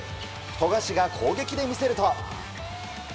富樫が攻撃で見せると。